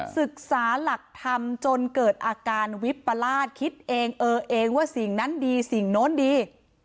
ศึกษาหลักธรรมจนเกิดอาการวิปราชคิดเองเออเองว่าสิ่งนั้นดีสิ่งโน้นดี